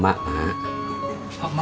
mak mau nggak tuh kan